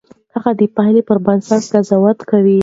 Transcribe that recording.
هغه د پايلې پر بنسټ قضاوت کاوه.